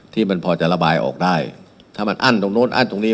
ที่มันพอจะระบายออกได้ถ้ามันอั้นตรงนู้นอั้นตรงนี้